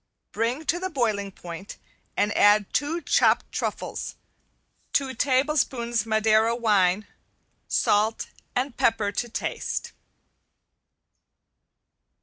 Bring to the boiling point and add two chopped truffles, two tablespoons Madeira wine, salt and pepper to taste.